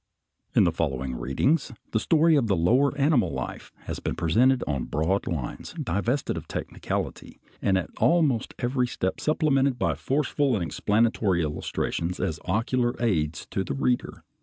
In the following readings the story of lower animal life has been presented on broad lines, divested of technicality, and at almost every step supplemented by forceful and explanatory illustrations as ocular aids to the reader.